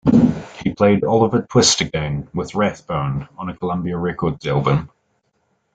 He played Oliver Twist again, with Rathbone, on a Columbia Records album.